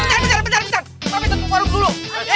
bentar bentar bentar pape tunggu warung dulu